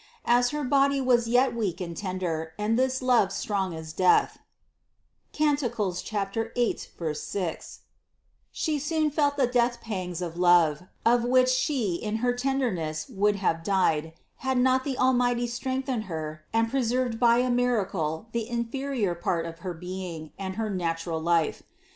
As her body was yet weak and tender and this love strong as death (Cant 8, 6), She soon felt the death pangs of love, of which She in her tenderness would have died, had not the Almighty strengthened Her and preserved by a miracle the inferior part of her being and her natural life.